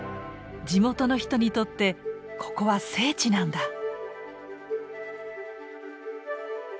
地元の人にとってここは聖地なんだ。